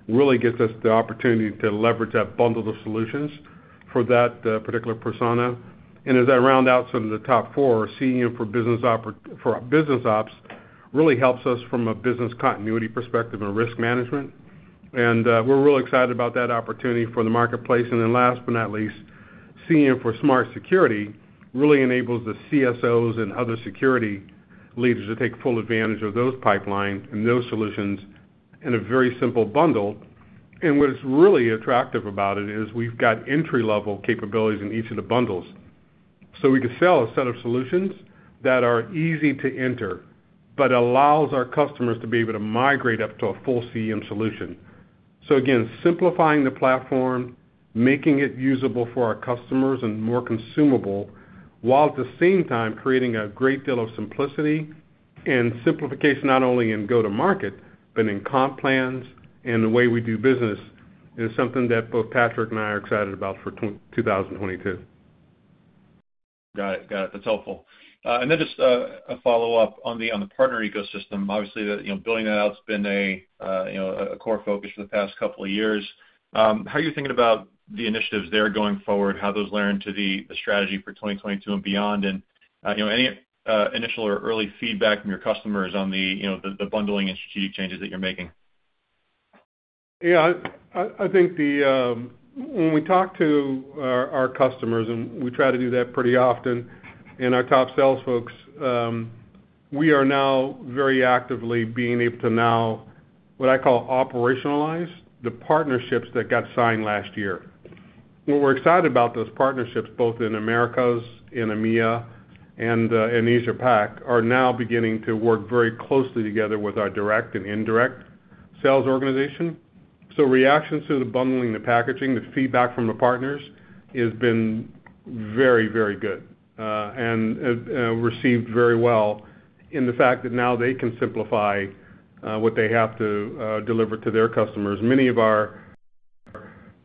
Really gets us the opportunity to leverage that bundle of solutions for that particular persona. As I round out some of the top four, CEM for our business ops really helps us from a business continuity perspective and risk management. We're really excited about that opportunity for the marketplace. Then last but not least, CEM for Smart Security really enables the CSOs and other security leaders to take full advantage of those pipelines and those solutions in a very simple bundle. What is really attractive about it is we've got entry-level capabilities in each of the bundles, so we could sell a set of solutions that are easy to enter, but allows our customers to be able to migrate up to a full CEM solution. Again, simplifying the platform, making it usable for our customers and more consumable, while at the same time creating a great deal of simplicity and simplification, not only in go-to-market, but in comp plans and the way we do business, is something that both Patrick and I are excited about for 2022. Got it. That's helpful. Then just a follow-up on the partner ecosystem. Obviously, you know, building that out has been, you know, a core focus for the past couple of years. How are you thinking about the initiatives there going forward, how those layer into the strategy for 2022 and beyond? You know, any initial or early feedback from your customers on, you know, the bundling and strategic changes that you're making? Yeah, I think that when we talk to our customers, and we try to do that pretty often, and our top sales folks, we are now very actively being able to now, what I call operationalize the partnerships that got signed last year. What we're excited about those partnerships, both in Americas, in EMEA, and in Asia Pac, are now beginning to work very closely together with our direct and indirect sales organization. Reactions to the bundling, the packaging, the feedback from the partners has been very, very good and received very well in the fact that now they can simplify what they have to deliver to their customers. Many of our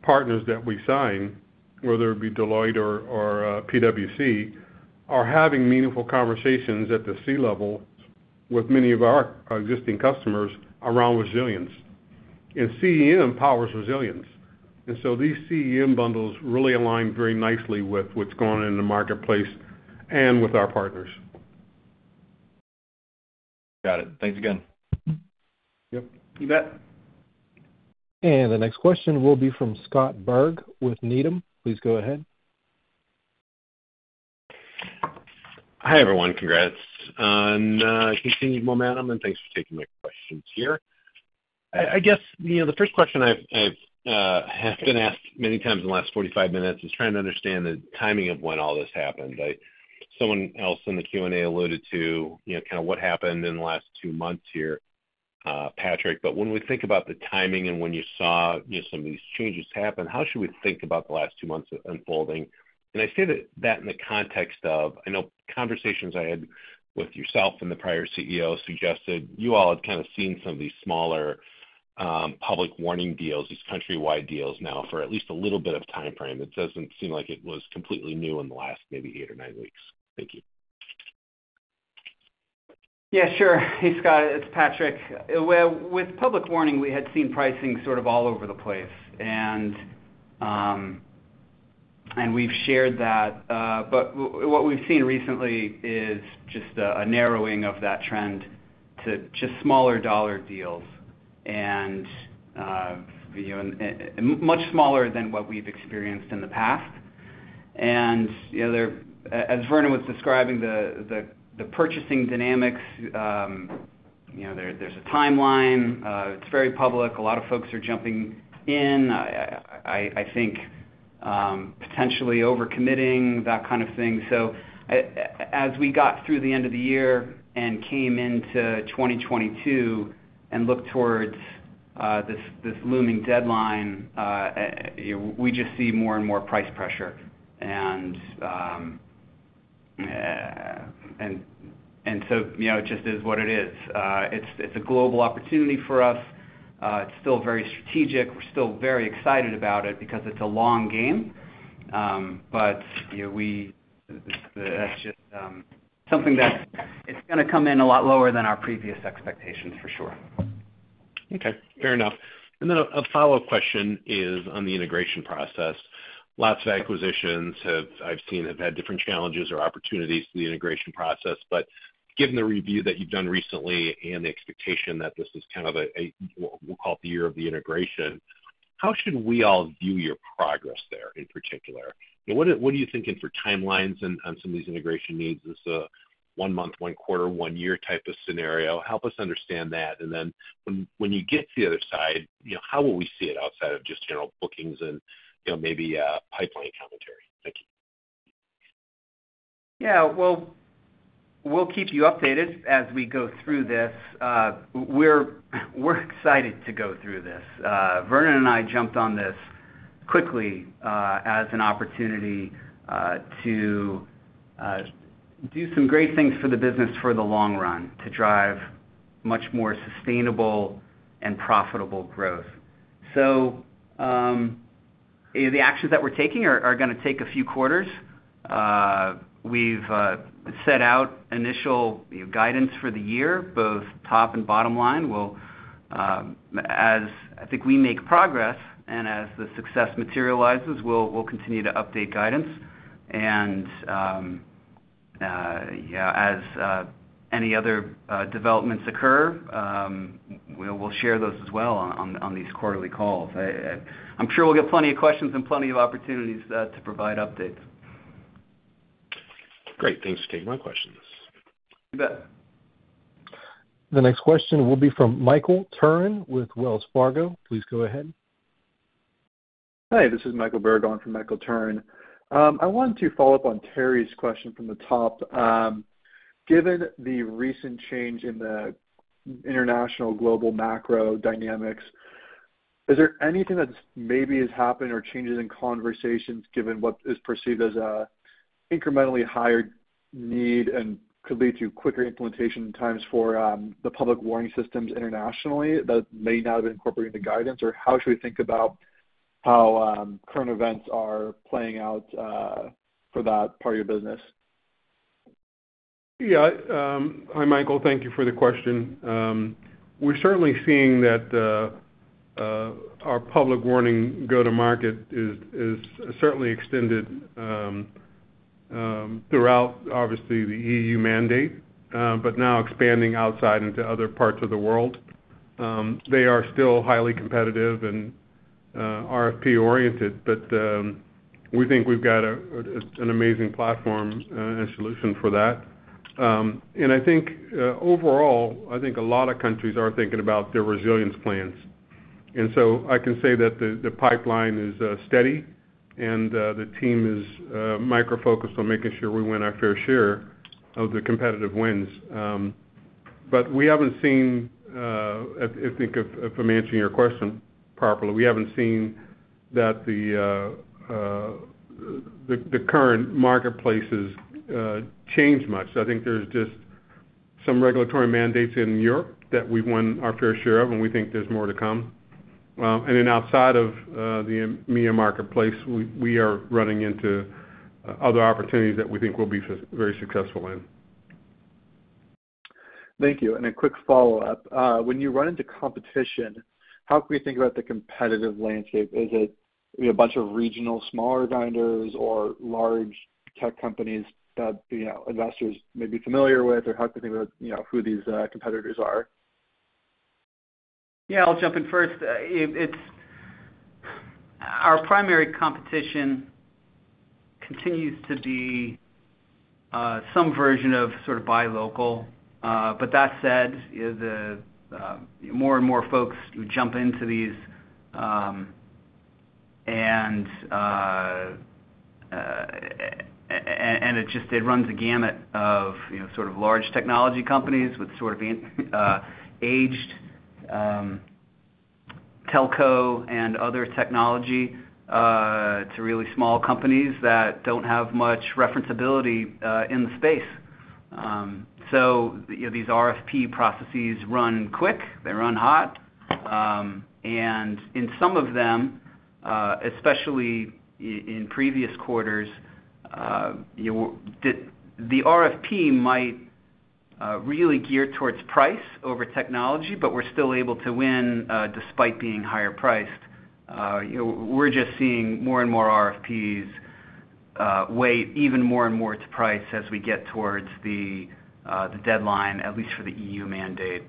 partners that we sign, whether it be Deloitte or PwC, are having meaningful conversations at the C-level with many of our existing customers around resilience. CEM powers resilience. These CEM bundles really align very nicely with what's going on in the marketplace and with our partners. Got it. Thanks again. Yep. You bet. The next question will be from Scott Berg with Needham. Please go ahead. Hi, everyone. Congrats on continued momentum, and thanks for taking my questions here. I guess, you know, the first question I've been asked many times in the last 45 minutes is trying to understand the timing of when all this happened. Someone else in the Q&A alluded to, you know, kind of what happened in the last two months here, Patrick. But when we think about the timing and when you saw, you know, some of these changes happen, how should we think about the last two months unfolding? I say that in the context of, I know conversations I had with yourself and the prior CEO suggested you all had kind of seen some of these smaller public warning deals, these countrywide deals now for at least a little bit of timeframe. It doesn't seem like it was completely new in the last maybe eight or nine weeks. Thank you. Yeah, sure. Hey, Scott, it's Patrick. Well, with public warning, we had seen pricing sort of all over the place. We've shared that, but what we've seen recently is just a narrowing of that trend to just smaller dollar deals and, you know, and much smaller than what we've experienced in the past. You know, as Vernon was describing the purchasing dynamics, you know, there's a timeline. It's very public. A lot of folks are jumping in. I think potentially over-committing, that kind of thing. As we got through the end of the year and came into 2022 and looked towards this looming deadline, we just see more and more price pressure. You know, it just is what it is. It's a global opportunity for us. It's still very strategic. We're still very excited about it because it's a long game. You know, that's just, it's gonna come in a lot lower than our previous expectations, for sure. Okay. Fair enough. A follow-up question is on the integration process. Lots of acquisitions I've seen have had different challenges or opportunities to the integration process. Given the review that you've done recently and the expectation that this is kind of we'll call it the year of the integration, how should we all view your progress there in particular? What are you thinking for timelines and some of these integration needs? Is it a one-month, one-quarter, one-year type of scenario? Help us understand that. When you get to the other side, you know, how will we see it outside of just general bookings and, you know, maybe pipeline commentary? Thank you. Well, we'll keep you updated as we go through this. We're excited to go through this. Vernon and I jumped on this quickly as an opportunity to do some great things for the business for the long run, to drive much more sustainable and profitable growth. The actions that we're taking are gonna take a few quarters. We've set out initial, you know, guidance for the year, both top and bottom line. We'll, as I think we make progress and as the success materializes, we'll continue to update guidance, and, yeah, as any other developments occur, we'll share those as well on these quarterly calls. I'm sure we'll get plenty of questions and plenty of opportunities to provide updates. Great. Thanks for taking my questions. You bet. The next question will be from Michael Turrin with Wells Fargo. Please go ahead. Hi, this is Michael Berg from Michael Turrin. I wanted to follow up on Terry's question from the top. Given the recent change in the international global macro dynamics, is there anything that's maybe has happened or changes in conversations given what is perceived as a incrementally higher need and could lead to quicker implementation times for the public warning systems internationally that may not have incorporated the guidance, or how should we think about how current events are playing out for that part of your business? Yeah. Hi, Michael. Thank you for the question. We're certainly seeing that our public warning go-to-market is certainly extended throughout, obviously, the EU mandate, but now expanding outside into other parts of the world. They are still highly competitive and RFP oriented, but we think we've got an amazing platform and a solution for that. I think overall, I think a lot of countries are thinking about their resilience plans. I can say that the pipeline is steady and the team is micro-focused on making sure we win our fair share of the competitive wins. We haven't seen, I think if I'm answering your question properly, we haven't seen that the current marketplaces change much. I think there's just some regulatory mandates in Europe that we won our fair share of, and we think there's more to come. Outside of the EMEA marketplace, we are running into other opportunities that we think we'll be very successful in. Thank you. A quick follow-up. When you run into competition, how can we think about the competitive landscape? Is it, you know, a bunch of regional smaller vendors or large tech companies that, you know, investors may be familiar with? Or how can we think about, you know, who these competitors are? Yeah, I'll jump in first. Our primary competition continues to be some version of sort of buy local. That said, the more and more folks who jump into these, and it just runs the gamut of, you know, sort of large technology companies with sort of aged telco and other technology to really small companies that don't have much reference ability in the space. You know, these RFP processes run quick; they run hot. In some of them, especially in previous quarters, you know, the RFP might really gear towards price over technology, but we're still able to win despite being higher priced. You know, we're just seeing more and more RFPs weigh even more and more to price as we get towards the deadline, at least for the EU mandate.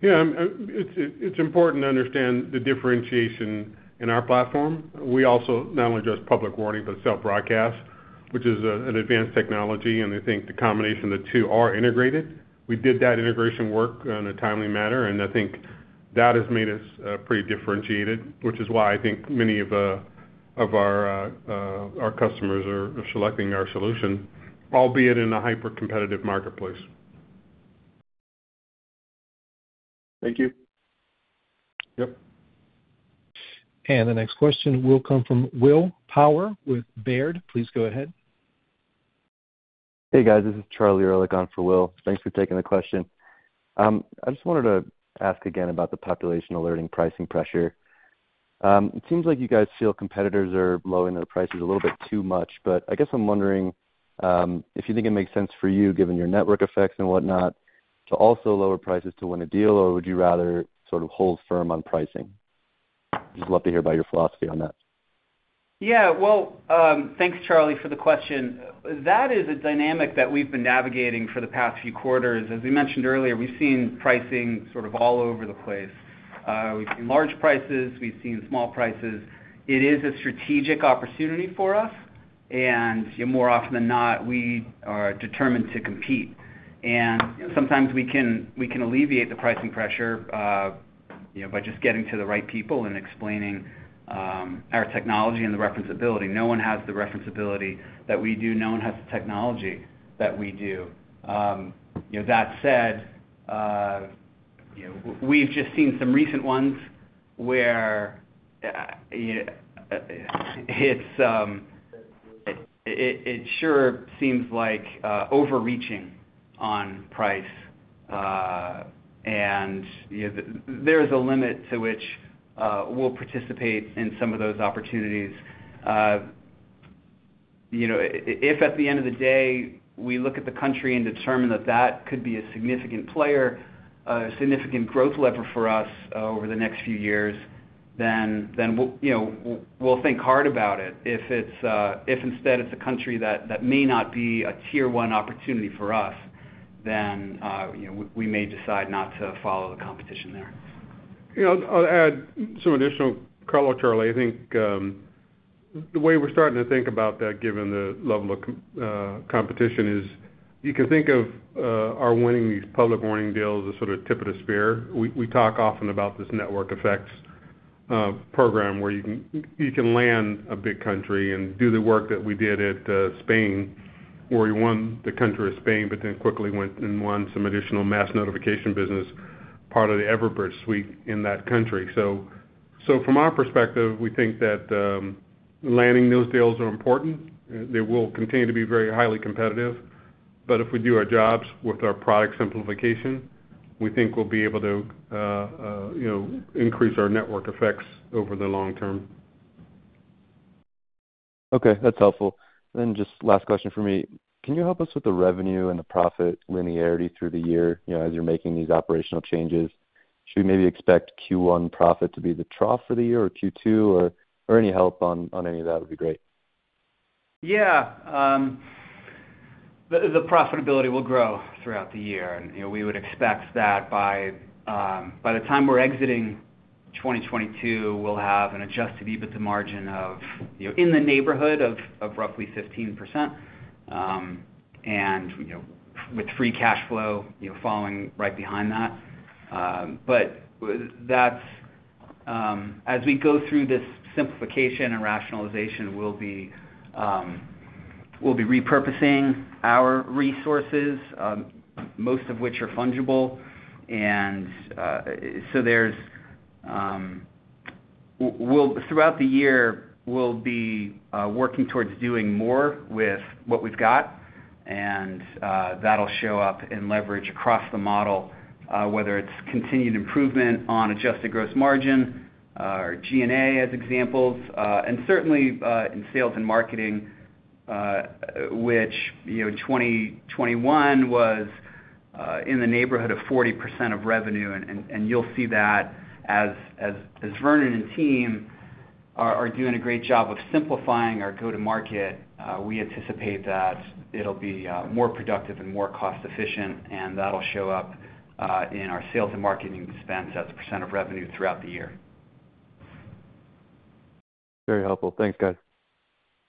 Yeah. It's important to understand the differentiation in our platform. We also not only address public warning, but cell broadcast, which is an advanced technology, and I think the combination of the two are integrated. We did that integration work in a timely manner, and I think that has made us pretty differentiated, which is why I think many of our customers are selecting our solution, albeit in a hyper-competitive marketplace. Thank you. Yep. The next question will come from Will Power with Baird. Please go ahead. Hey, guys. This is Charles Erlikh on for Will. Thanks for taking the question. I just wanted to ask again about the population alerting pricing pressure. It seems like you guys feel competitors are lowering their prices a little bit too much, but I guess I'm wondering, if you think it makes sense for you, given your network effects and whatnot, to also lower prices to win a deal, or would you rather sort of hold firm on pricing? Just love to hear about your philosophy on that. Yeah. Well, thanks, Charles, for the question. That is a dynamic that we've been navigating for the past few quarters. As we mentioned earlier, we've seen pricing sort of all over the place. We've seen large prices, we've seen small prices. It is a strategic opportunity for us, and more often than not, we are determined to compete. You know, sometimes we can alleviate the pricing pressure, you know, by just getting to the right people and explaining our technology and the reference ability. No one has the reference ability that we do. No one has the technology that we do. You know, that said, you know, we've just seen some recent ones where it sure seems like overreaching on price. You know, there is a limit to which we'll participate in some of those opportunities. You know, if at the end of the day we look at the country and determine that that could be a significant player, a significant growth lever for us over the next few years, then we'll think hard about it. If instead it's a country that may not be a tier one opportunity for us, then, you know, we may decide not to follow the competition there. You know, I'll add some additional color, Charlie. I think the way we're starting to think about that given the level of competition, is you can think of our winning these public warning deals as sort of tip of the spear. We talk often about this network effects program, where you can land a big country and do the work that we did at Spain, where we won the country of Spain, but then quickly went and won some additional mass notification business, part of the Everbridge suite in that country. From our perspective, we think that landing those deals are important. They will continue to be very highly competitive. If we do our jobs with our product simplification, we think we'll be able to, you know, increase our network effects over the long term. Okay, that's helpful. Just last question from me. Can you help us with the revenue and the profit linearity through the year, you know, as you're making these operational changes? Should we maybe expect Q1 profit to be the trough for the year, or Q2? Any help on any of that would be great. The profitability will grow throughout the year. You know, we would expect that by the time we're exiting 2022, we'll have an Adjusted EBITDA margin of, you know, in the neighborhood of roughly 15%. You know, with free cash flow, you know, falling right behind that. That's as we go through this simplification and rationalization, we'll be repurposing our resources, most of which are fungible. Throughout the year, we'll be working towards doing more with what we've got, and that'll show up in leverage across the model, whether it's continued improvement on adjusted gross margin or G&A as examples. Certainly in sales and marketing, which, you know, 2021 was in the neighborhood of 40% of revenue. You'll see that as Vernon and team are doing a great job of simplifying our go-to market. We anticipate that it'll be more productive and more cost efficient, and that'll show up in our sales and marketing expense as a percent of revenue throughout the year. Very helpful. Thanks, guys.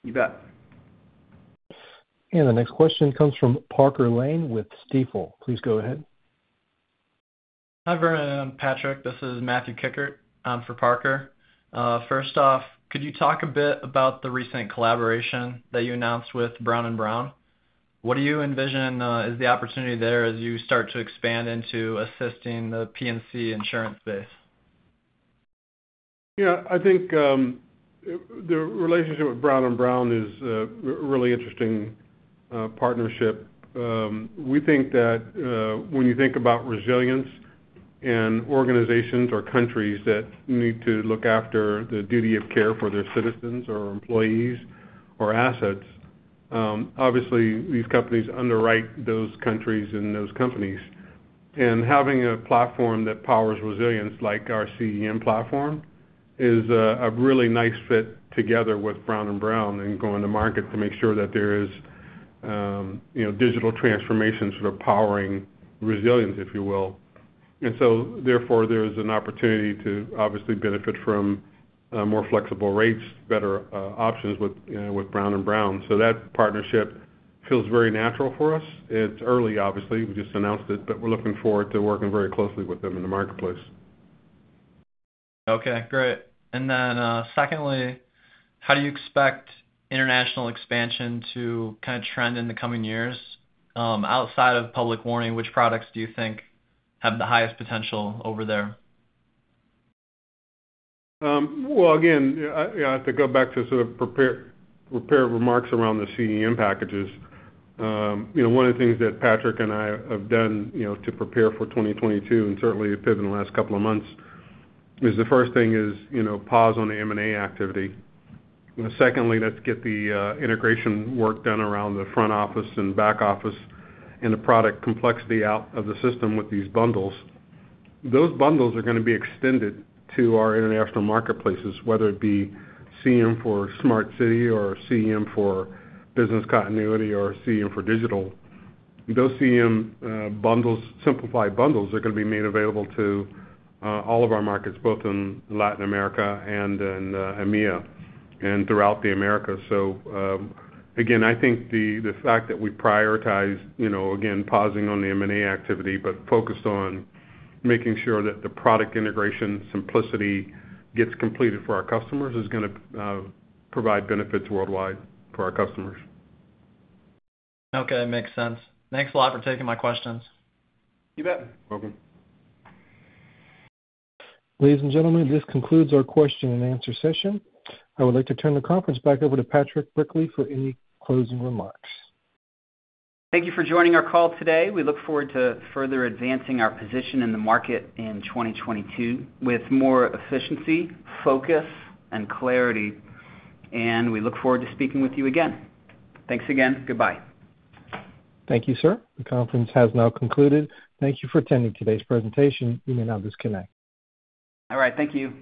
You bet. The next question comes from Parker Lane with Stifel. Please go ahead. Hi, Vernon and Patrick. This is Matthew Kickert, for Parker. First off, could you talk a bit about the recent collaboration that you announced with Brown & Brown? What do you envision is the opportunity there as you start to expand into assisting the P&C insurance base? Yeah, I think, the relationship with Brown & Brown is a really interesting partnership. We think that, when you think about resilience and organizations or countries that need to look after the duty of care for their citizens or employees or assets, obviously these companies underwrite those countries and those companies. Having a platform that powers resilience like our CEM platform is a really nice fit together with Brown & Brown and going to market to make sure that there is, you know, digital transformation sort of powering resilience, if you will. Therefore, there's an opportunity to obviously benefit from, more flexible rates, better options with, you know, with Brown & Brown. That partnership feels very natural for us. It's early, obviously. We just announced it, but we're looking forward to working very closely with them in the marketplace. Okay, great. Secondly, how do you expect international expansion to kind of trend in the coming years? Outside of public warning, which products do you think have the highest potential over there? Well, again, I have to go back to prepared remarks around the CEM packages. You know, one of the things that Patrick and I have done, you know, to prepare for 2022 and certainly pivot in the last couple of months is the first thing, you know, pause on the M&A activity. Secondly, let's get the integration work done around the front office and back office and the product complexity out of the system with these bundles. Those bundles are gonna be extended to our international marketplaces, whether it be CEM for Smart Security, CEM for Operations & Business Continuity, or CEM for Digital. Those CEM bundles, simplified bundles, are gonna be made available to all of our markets, both in Latin America and in EMEA and throughout the Americas. Again, I think the fact that we prioritize, you know, again, pausing on the M&A activity, but focused on making sure that the product integration simplicity gets completed for our customers is gonna provide benefits worldwide for our customers. Okay, makes sense. Thanks a lot for taking my questions. You bet. Welcome. Ladies and gentlemen, this concludes our question and answer session. I would like to turn the conference back over to Patrick Brickley for any closing remarks. Thank you for joining our call today. We look forward to further advancing our position in the market in 2022 with more efficiency, focus, and clarity, and we look forward to speaking with you again. Thanks again. Goodbye. Thank you, sir. The conference has now concluded. Thank you for attending today's presentation. You may now disconnect. All right. Thank you.